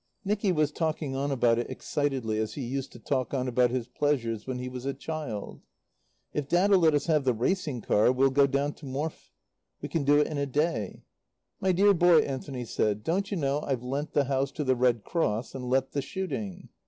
Nicky was talking on about it, excitedly, as he used to talk on about his pleasures when he was a child. If Dad'll let us have the racing car, we'll go down to Morfe. We can do it in a day." "My dear boy," Anthony said, "don't you know I've lent the house to the Red Cross, and let the shooting?"